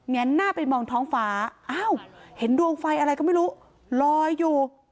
นหน้าไปมองท้องฟ้าอ้าวเห็นดวงไฟอะไรก็ไม่รู้ลอยอยู่